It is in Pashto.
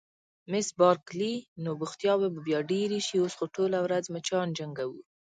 مس بارکلي: نو بوختیاوې به بیا ډېرې شي، اوس خو ټوله ورځ مچان جنګوو.